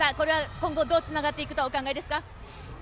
今後どうつながっていくとお考えですか。